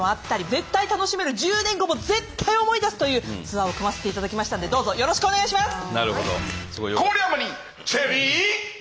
絶対楽しめる１０年後も絶対思い出すというツアーを組ませていただきましたのでどうぞよろしくお願いします！